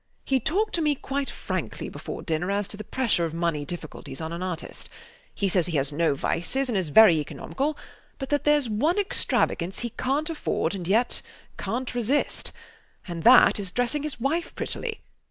He talked to me quite frankly before dinner as to the pressure of money difficulties on an artist. He says he has no vices and is very economical, but that theres one extravagance he cant afford and yet cant resist; and that is dressing his wife prettily.